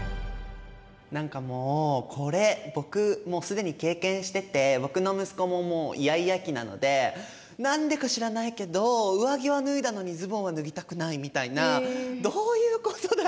何かもうこれ僕もう既に経験してて僕の息子ももうイヤイヤ期なので何でか知らないけど上着は脱いだのにズボンは脱ぎたくないみたいな「どういうことだ！？」